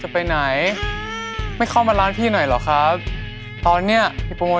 พี่แม่เอ็กซ์หน่อยโอ้โฮ